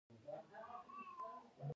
دا زموږ کور دی؟